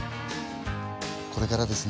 これからですね